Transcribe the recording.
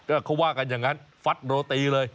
ก็เขาว่ากันอย่างนั้นฟัดโรตีเลย